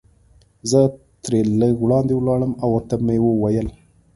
زه ترې لږ وړاندې ولاړم او ورته مې وویل.